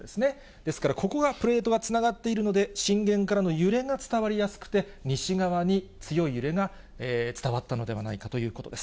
ですからここがプレートがつながっているので、震源からの揺れが伝わりやすくて、西側に強い揺れが伝わったのではないかということです。